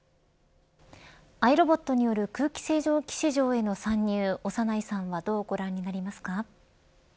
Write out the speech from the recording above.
アイロボットによる空気清浄機市場への参入長内さんはどうご覧になりますか。